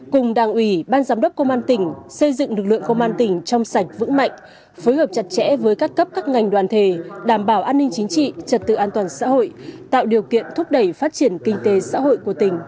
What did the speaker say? cùng đảng ủy ban giám đốc công an tỉnh xây dựng lực lượng công an tỉnh trong sạch vững mạnh phối hợp chặt chẽ với các cấp các ngành đoàn thể đảm bảo an ninh chính trị trật tự an toàn xã hội tạo điều kiện thúc đẩy phát triển kinh tế xã hội của tỉnh